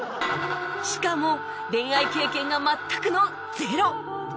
しかも恋愛経験が全くのゼロ